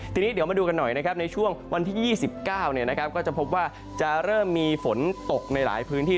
ทีนี้เดี๋ยวมาดูกันหน่อยนะครับในช่วงวันที่๒๙ก็จะพบว่าจะเริ่มมีฝนตกในหลายพื้นที่